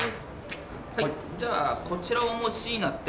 じゃあこちらをお持ちになって。